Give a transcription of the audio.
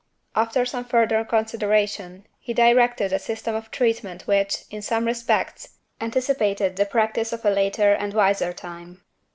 After some further consideration, he directed a system of treatment which, in some respects, anticipated the practice of a later and wiser time.